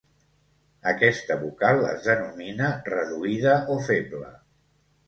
Aquesta vocal es denomina "reduïda" o "feble".